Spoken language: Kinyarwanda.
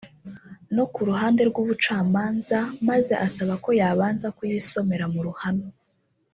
no ku ruhande rw’ubucamanza maze asaba ko yabanza kuyisomera mu ruhame